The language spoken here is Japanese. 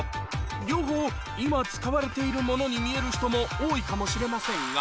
両方今使われているものに見える人も多いかもしれませんが